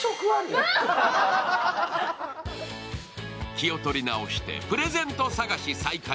気を取り直して、プレゼント探し再開。